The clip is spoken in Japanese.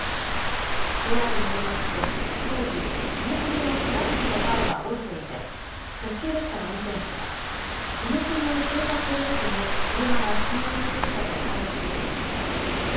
ＪＲによりますと当時、踏切の遮断機のバーは下りていて特急列車の運転士は踏切を通過するときに車が進入してきたと話しているということです。